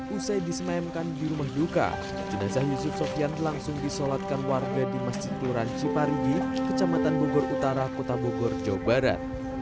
usai disemayamkan di rumah duka jenazah yusuf sofian langsung disolatkan warga di masjid kelurahan ciparigi kecamatan bogor utara kota bogor jawa barat